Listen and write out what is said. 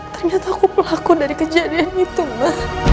ternyata aku pelaku dari kejadian itu mbak